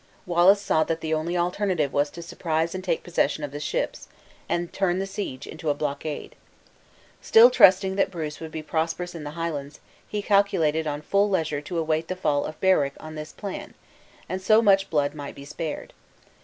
Wallace saw that the only alternative was to surprise and take possession of the ships, and turn the siege into a blockade. Still trusting that Bruce would be prosperous in the Highlands, he calculated on full leisure to await the fall of Berwick on this plan; and so much blood might be spared.